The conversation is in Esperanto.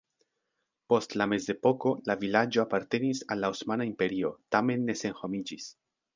Post la mezepoko la vilaĝo apartenis al la Osmana Imperio, tamen ne senhomiĝis.